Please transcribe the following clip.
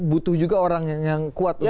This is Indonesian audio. butuh juga orang yang kuat